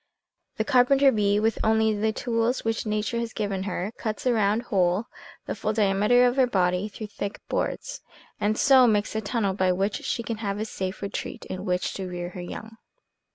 The carpenter bee, with only the tools which nature has given her, cuts a round hole, the full diameter of her body, through thick boards, and so makes a tunnel by which she can have a safe retreat, in which to rear her young.